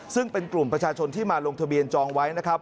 ซึ่งเป็นกลุ่มประชาชนที่มาลงทะเบียนจองไว้นะครับ